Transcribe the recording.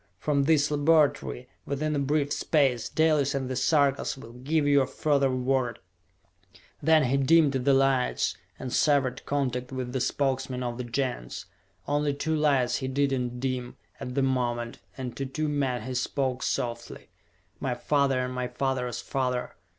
From this laboratory, within a brief space, Dalis and the Sarkas will give you further word!" Then he dimmed the lights, and severed contact with the Spokesmen of the Gens. Only two lights he did not dim, at the moment, and to two men he spoke softly. "My father and my father's father!